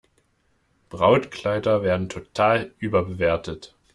Brautkleider werden total überbewertet.